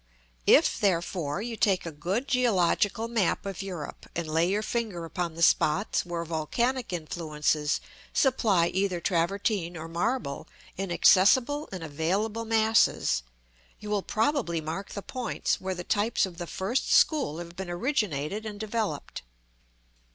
If, therefore, you take a good geological map of Europe, and lay your finger upon the spots where volcanic influences supply either travertin or marble in accessible and available masses, you will probably mark the points where the types of the first school have been originated and developed.